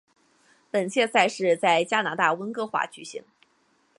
本届赛事在加拿大温哥华举行。